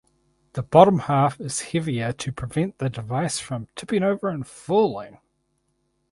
The bottom half is heavier to prevent the device from tipping over and falling.